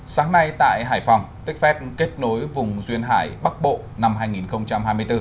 sáng nay tại hải phòng techfest kết nối vùng duyên hải bắc bộ năm hai nghìn hai mươi bốn